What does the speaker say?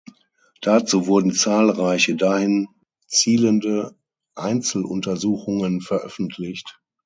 Dazu wurden zahlreiche dahin zielende Einzeluntersuchungen veröffentlicht.